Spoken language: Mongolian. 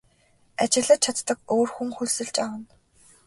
Ажиллаж чаддаг өөр хүн хөлсөлж авна.